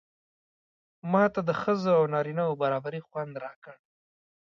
ماته د ښځو او نارینه و برابري خوند راکړ.